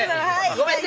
ごめんね。